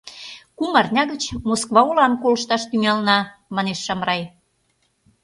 — Кум арня гыч Москва олам колышташ тӱҥалына, — манеш Шамрай.